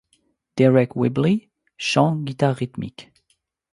Deryck Whibley - Chant, guitare rythmique.